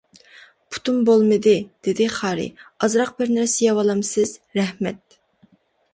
-پۇتۇم بولمىدى، -دېدى خارى، -ئازراق بىر نەرسە يەۋالامسىز؟ -رەھمەت.